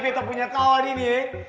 betul punya kawan ini hei